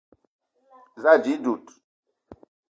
Za ànji dud